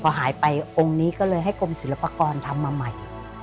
ถ้าหายไปงค์นี้ก็เลยให้กลมสิลภากรรมทำมาใหม่